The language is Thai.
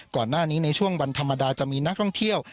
ก่อนหน้านี้ในช่วงวันธรรมดาจะมีนักท่องเที่ยว